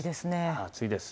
暑いです。